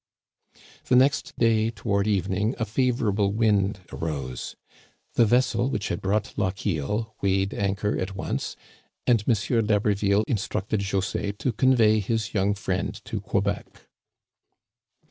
The next day, toward evening, a favorable wind arose. The vessel which had brought Lochiel weighed anchor at once, and M. d'Ha berville instructed José to convey his young friend to Quebec.